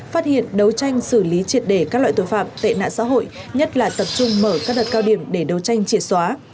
phát hiện đấu tranh xử lý triệt để các loại tội phạm tệ nạn xã hội nhất là tập trung mở các đợt cao điểm để đấu tranh triệt xóa